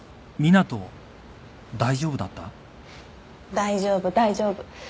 大丈夫大丈夫。